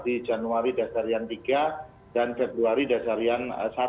di januari dasarian tiga dan februari dasarian satu